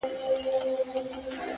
د تجربې ارزښت په ازموینه معلومېږي’